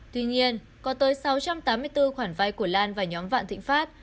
tuy nhiên có tới sáu trăm tám mươi bốn khoản vay của lan và nhóm vạn thịnh pháp